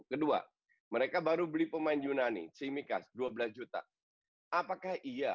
kedua mereka baru beli pemain yunani tsimikas dua belas juta